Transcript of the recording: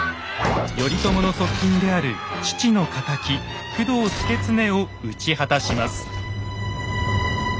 頼朝の側近である父の敵工藤祐経を討ち果たします。